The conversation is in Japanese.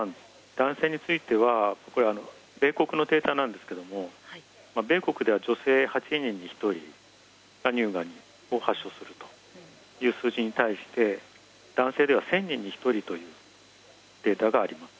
男性については、これは米国のデータなんですけれども、米国では、女性８人に１人が乳がんを発症するという数字に対して、男性では１０００人に１人というデータがあります。